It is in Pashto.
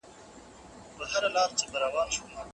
ولي کوښښ کوونکی د تکړه سړي په پرتله لوړ مقام نیسي؟